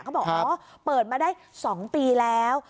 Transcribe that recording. เขาบอกอ๋อเปิดมาได้๒ปีแล้ว